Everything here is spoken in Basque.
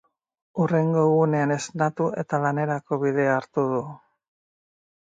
Hurrengo egunean esnatu eta lanerako bidea hartu du.